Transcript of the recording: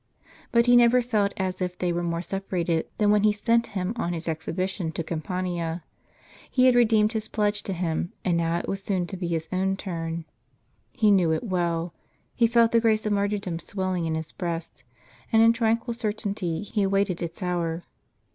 But he never felt as if they were more separated than when he sent him on his expedition to Cam pania. He had redeemed his pledge to him, and now it was soon to be his own turn. He knew it well ; he felt the grace of martyrdom swelling in his breast, and in tranquil certainty he awaited its hour.